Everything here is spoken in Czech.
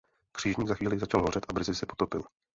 Křižník za chvíli začal hořet a brzy se potopil.